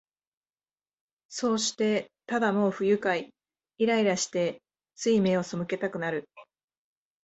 そうして、ただもう不愉快、イライラして、つい眼をそむけたくなる